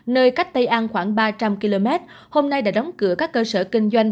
nơi cách tây an khoảng ba trăm linh km hôm nay đã đóng cửa các cơ sở kinh doanh